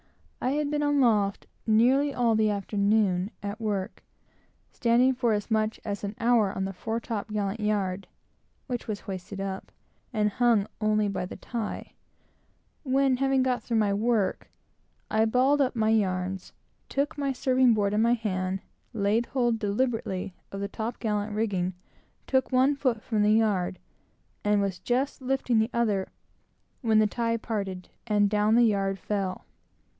I had been aloft nearly all the afternoon, at work, standing for as much as an hour on the fore top gallant yard, which was hoisted up, and hung only by the tie; when, having got through my work, I balled up my yarns, took my serving board in my hand, laid hold deliberately of the top gallant rigging, took one foot from the yard, and was just lifting the other, when the tie parted, and down the yard fell.